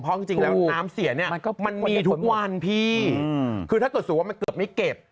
เพราะจริงแล้วน้ำเสียเนี่ยมันมีทุกวันพี่คือถ้าเกิดสมมุติว่ามันเกือบไม่เก็บ